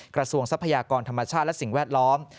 ทรัพยากรธรรมชาติและสิ่งแวดล้อม